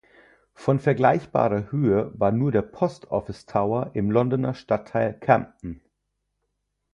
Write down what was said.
Von vergleichbarer Höhe war nur der Post Office Tower im Londoner Stadtteil Camden.